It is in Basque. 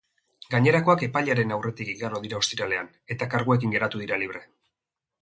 Gainerakoak epaileraren aurretik igaro dira ostiralean, eta karguekin geratu dira libre.